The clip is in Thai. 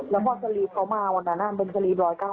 แล้วพอสลีฟเขามาวันนั้นเป็นสลีฟ๑๙๙